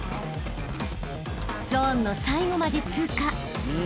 ［ゾーンの最後まで通過］